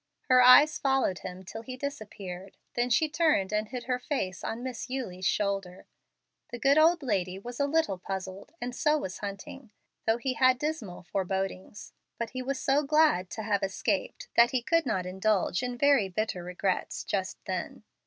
Her eyes followed him till he disappeared, then she turned and hid her face on Miss Eulie's shoulder. The good old lady was a little puzzled, and so was Hunting, though he had dismal forebodings. But he was so glad to have escaped that he could not indulge in very bitter regrets just then.